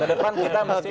ke depan kita